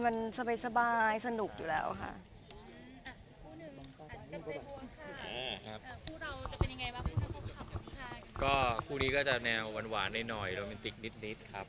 เป็นยังไงบ้างสำหรับความน่ารักของผู้รัก